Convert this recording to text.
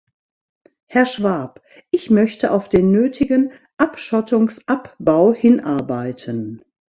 Herr Schwab, ich möchte auf den nötigen Abschottungsabbau hinarbeiten.